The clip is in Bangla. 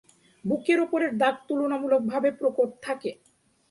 বুকের ওপরের দাগ তুলনামূলকভাবে প্রকট থাকে।